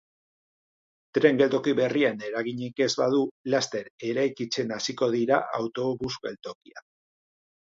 Tren geltoki berrian eraginik ez badu, laster eraikitzen hasiko dira autobus geltokia.